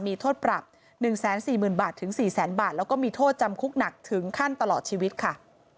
มีโทษปรับ๑๔๐๐๐บาทถึง๔แสนบาทแล้วก็มีโทษจำคุกหนักถึงขั้นตลอดชีวิตค่ะ